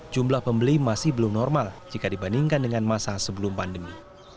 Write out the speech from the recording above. jumlah pembeli masih belum normal jika dibandingkan dengan masa sebelum pandemi